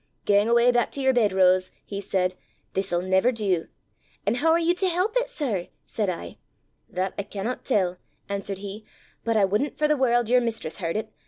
'Gang awa' back to yer bed, Rose,' he said; 'this'll never do!' 'An' hoo are ye to help it, sir?' said I. 'That I cannot tell,' answered he; 'but I wouldn't for the world your mistress heard it!